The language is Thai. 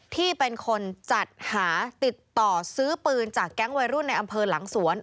ที่เป็นคนจัดหาติดต่อซื้อปืนจากแก๊งวัยรุ่นในอำเภอหลังสวน